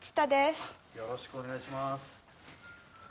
よろしくお願いします。